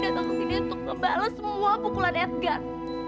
dan gue datang kesini untuk ngebales semua pukulan edgar